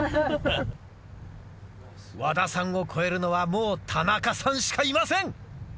和田さんを越えるのはもう田中さんしかいません。